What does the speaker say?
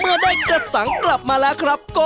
เพื่อตามหาผักกระสัง